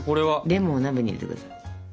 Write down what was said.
レモンを鍋に入れてください。